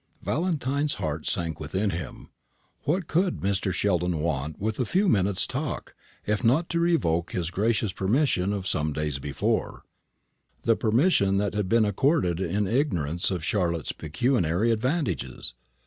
Valentine's heart sank within him. What could Mr. Sheldon want with a few minutes' talk, if not to revoke his gracious permission of some days before the permission that had been accorded in ignorance of Charlotte's pecuniary advantages?